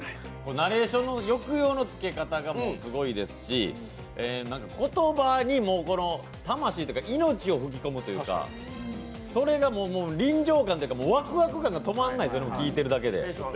ナレーションの抑揚のつけ方がすごいですし、言葉に魂というか命を吹き込むというか、それが臨場感というかわくわく感が止まりませんよね。